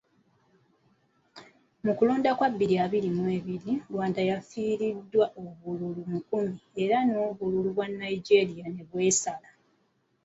Mu kulonda okwokubiri, Rwanda yafiiriddwa obululu kkumi era n'obululu bwa Nigeria ne bwesala.